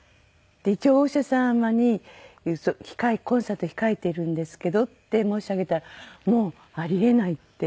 一応お医者様にコンサート控えてるんですけどって申し上げたらもうあり得ないって。